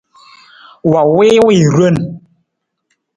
Wa wii wii ron ja?